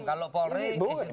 kalau polri institusi